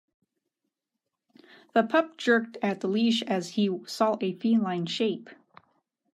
The pup jerked the leash as he saw a feline shape.